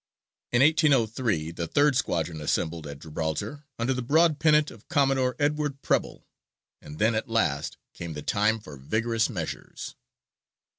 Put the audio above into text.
In 1803 the third squadron assembled at Gibraltar under the broad pennant of Commodore Edward Preble, and then at last came the time for vigorous measures.